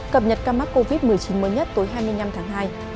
cập nhật ca mắc covid một mươi chín mới nhất tối hai mươi năm tháng hai